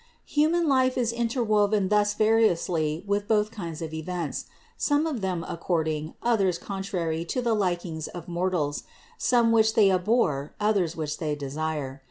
711. Human life is interwoven thus variously with both kinds of events ; some of them according, others con trary to the likings of mortals; some which they abhor, others which they desire.